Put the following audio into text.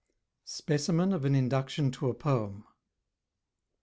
SPECIMEN OF AN INDUCTION TO A POEM.